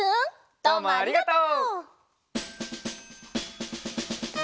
どうもありがとう！